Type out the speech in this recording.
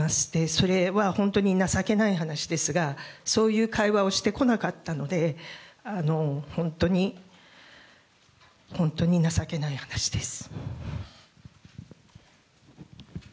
それは本当に情けない話ですが、そういう会話をしてこなかったので、本当に本当に情けない話です。